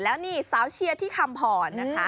แล้วนี่สาวเชียร์ที่คำพรนะคะ